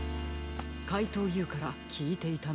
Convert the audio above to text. かいとうＵからきいていたのでしょう。